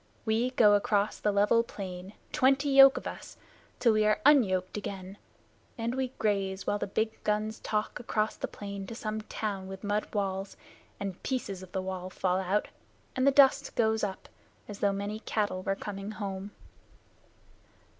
We go across the level plain, twenty yoke of us, till we are unyoked again, and we graze while the big guns talk across the plain to some town with mud walls, and pieces of the wall fall out, and the dust goes up as though many cattle were coming home."